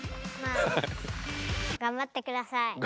まあがんばってください。